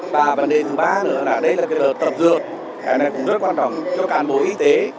và vấn đề thứ ba nữa là đây là cái đợt tập dược cái này cũng rất quan trọng cho cản bộ y tế